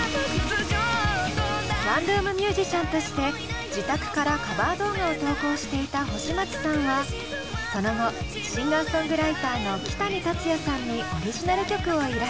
ワンルーム☆ミュージシャンとして自宅からカバー動画を投稿していた星街さんはその後シンガーソングライターのキタニタツヤさんにオリジナル曲を依頼。